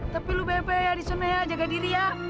tapi lu be ya di sana ya jaga diri ya